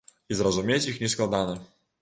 І зразумець іх нескладана.